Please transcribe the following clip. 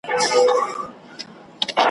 د ا یوازي وه په کټ کي نیمه شپه وه ,